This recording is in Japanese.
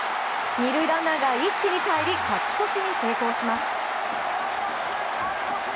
２塁ランナーが一気にかえり勝ち越しに成功します。